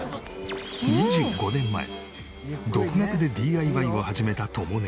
２５年前独学でＤＩＹを始めたとも姉。